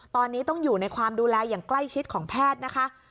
ตอนนี้ต้องอยู่ในความดูแลอย่างใกล้ชิดของแพทย์นะคะ